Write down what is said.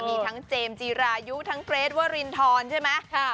มีทั้งเจมส์จีรายุทั้งเกรทวรินทรใช่ไหม